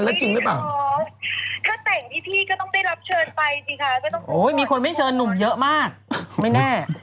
แต่เขาบอกคุณชอบไปชมวิวกันริมหาดนะ